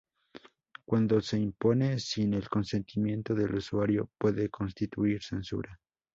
Cuando se impone sin el consentimiento del usuario, puede constituir censura.